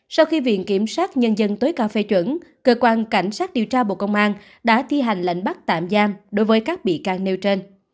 sau khi viện kiểm sát nhân dân tối cao phê chuẩn cơ quan cảnh sát điều tra bộ công an đã thi hành lệnh bắt tạm giam đối với các bị can nêu trên